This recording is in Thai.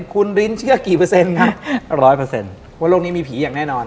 คุณลิ้นเชื่อกี่เปอร์เซ็นต์๑๐๐ว่าโลกนี้มีผีอย่างแน่นอน